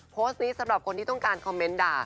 โพสต์นี้สำหรับคนที่ต้องการคอมเมนต์ด่า